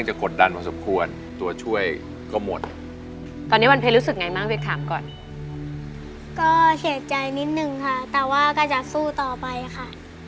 เฉ็ดใจนิดนึงค่ะแต่ก็จะสู้ต่อไปค่ะ